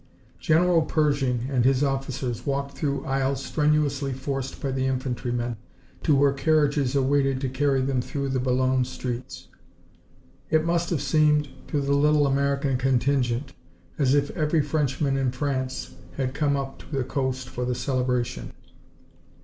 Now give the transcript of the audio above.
General Pershing and his officers walked through aisles strenuously forced by the infantrymen, to where carriages waited to carry them through the Boulogne streets. It must have seemed to the little American contingent as if every Frenchman in France had come up to the coast for the celebration.